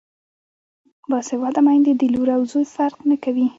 باسواده میندې د لور او زوی فرق نه کوي.